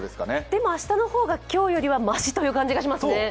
でも明日の方が今日よりはましという感じがしますね。